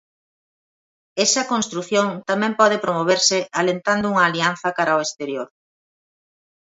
Esa construción tamén pode promoverse alentando unha alianza cara ao exterior.